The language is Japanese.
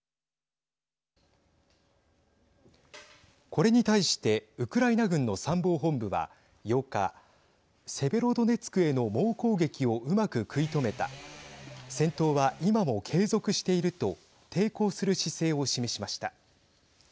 これに対してウクライナ軍の参謀本部は８日、セベロドネツクへの猛攻撃を、うまく食い止めた戦闘は今も継続していると抵抗する姿勢を示しました。